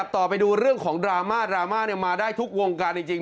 ไปดูเรื่องของดราม่าดราม่ามาได้ทุกวงการจริง